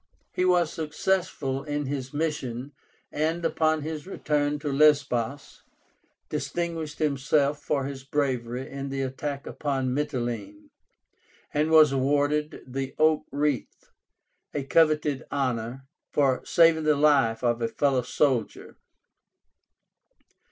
He was successful in his mission, and, upon his return to Lesbos, distinguished himself for his bravery in the attack upon Mityléne, and was awarded the oak wreath, a coveted honor, for saving the life of a fellow soldier.